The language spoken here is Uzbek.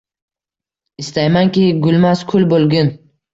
Istaymanki, gulmas, kul bo‘lgin